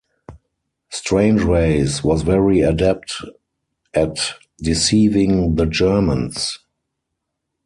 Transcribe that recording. Strangeways was very adept at deceiving the Germans.